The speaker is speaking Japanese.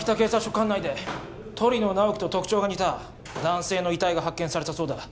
管内で鳥野直木と特徴が似た男性の遺体が発見されたそうだ